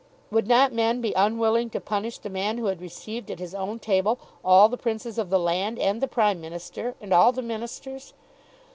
Would not men be unwilling to punish the man who had received at his own table all the Princes of the land, and the Prime Minister, and all the Ministers?